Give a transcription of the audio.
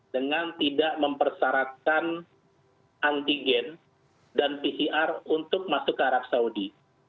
dengan tidak mempersyaratkan antigen dan pcr untuk masuk ke arab saudi